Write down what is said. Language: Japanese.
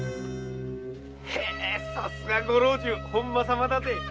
さすがご老中・本間様だぜ。